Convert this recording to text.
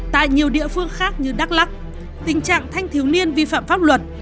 tại nhiều địa phương khác như đắk lắc tình trạng thanh thiếu niên vi phạm pháp luật